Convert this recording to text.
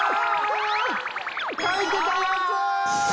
書いてたやつ！